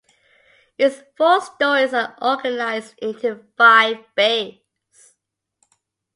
Its four stories are organized into five bays.